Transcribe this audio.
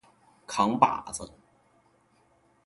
扛把子